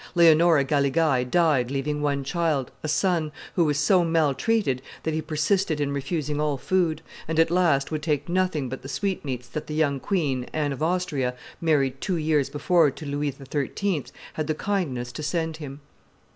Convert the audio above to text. Leonora Galigai died leaving one child, a son, who was so maltreated that he persisted in refusing all food, and, at last, would take nothing but the sweetmeats that the young queen, Anne of Austria, married two years before to Louis XIII., had the kindness to send him.